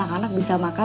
oh asal dia kaku